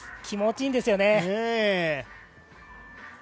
気持ちいいんですよね。